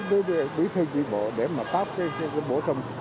với thư chí bộ để mà báo cái bộ xong